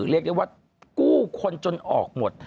เรียกได้ว่ากู้คนจนออกหมด